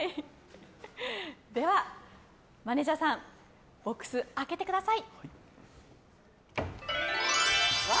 では、マネジャーさんボックス開けてください。